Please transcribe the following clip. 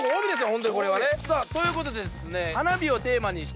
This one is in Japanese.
ホントにこれはね。ということでですね。